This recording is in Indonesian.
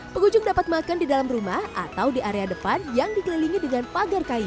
pengunjung dapat makan di dalam rumah atau di area depan yang dikelilingi dengan pagar kayu